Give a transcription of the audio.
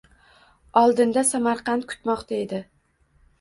Oldinda Samarqand kutmoqda edi.